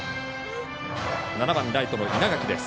７番、ライトの稲垣です。